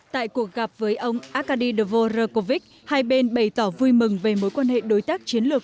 tại cuộc gặp với ông arkady dvorakovic hai bên bày tỏ vui mừng về mối quan hệ đối tác chiến lược